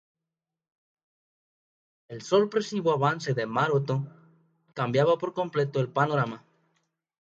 El sorpresivo avance de Maroto cambiaba por completo el panorama.